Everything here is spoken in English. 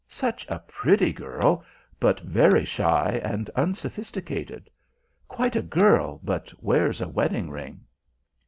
"Such a pretty girl, but very shy and unsophisticated. Quite a girl, but wears a wedding ring."